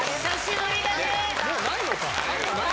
もう、ないのか。